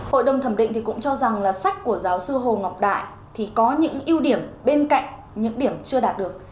hội đồng thẩm định thì cũng cho rằng là sách của giáo sư hồ ngọc đại thì có những ưu điểm bên cạnh những điểm chưa đạt được